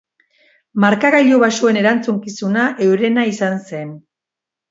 Markagailu baxuen erantzunkina eurena izan zen.